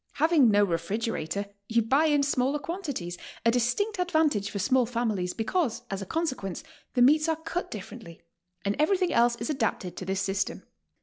Having no refrigerator, you buy in smaller quantities, a distinct advan tage for small families, because, as a consequence, the meats are cut differently, and everything else is adapted to this sys tem.